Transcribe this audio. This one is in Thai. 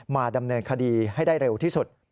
มาดำเนินคดีให้ได้เร็วที่สุด